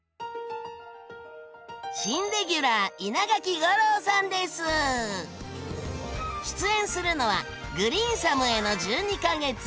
新レギュラー出演するのは「グリーンサムへの１２か月」。